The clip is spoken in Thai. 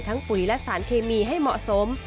ปุ๋ยและสารเคมีให้เหมาะสม